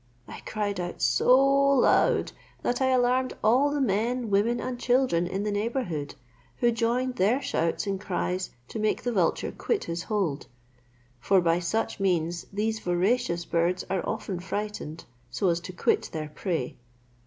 I cried out so loud, that I alarmed all the men, women, and children in the neighbourhood, who joined their shouts and cries to make the vulture quit his hold; for by such means these voracious birds are often frightened so as to quit their prey.